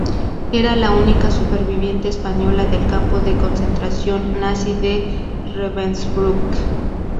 Era la única superviviente española del campo de concentración nazi de Ravensbrück.